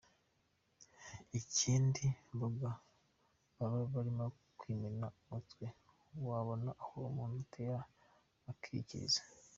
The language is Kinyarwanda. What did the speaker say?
Ikindi mbona baba barimo kwimena umutwe, wabonye aho umuntu atera akiyikiriza” ?.